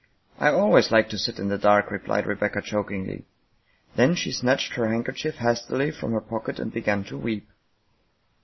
" I always like to sit in the dark," replied Rebecca chok ingly. Then she snatched her handkerchief hastily from her pocket and began to weep.